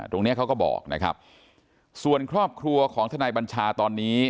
เนี้ยเขาก็บอกนะครับส่วนครอบครัวของทนายบัญชาตอนนี้